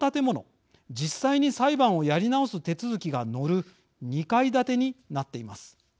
実際に裁判をやり直す手続きが乗る２階建てになっています。